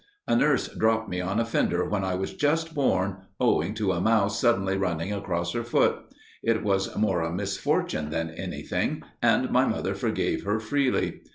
A nurse dropped me on a fender when I was just born, owing to a mouse suddenly running across her foot. It was more a misfortune than anything, and my mother forgave her freely.